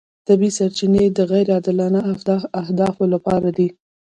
طبیعي سرچینې د غیر عادلانه اهدافو لپاره دي.